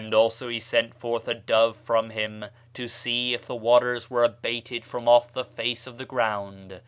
Also he sent forth a dove from him, to see if the waters were abated from off the face of the ground.